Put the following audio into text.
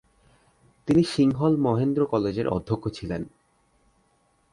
তিনি সিংহল মহেন্দ্র কলেজের অধ্যক্ষ ছিলেন।